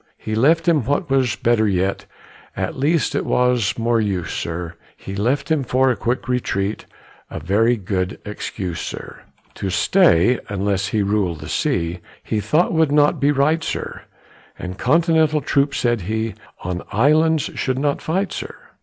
He left him what was better yet, At least it was more use, sir, He left him for a quick retreat A very good excuse, sir. To stay, unless he rul'd the sea, He thought would not be right, sir, And Continental troops, said he, On islands should not fight, sir.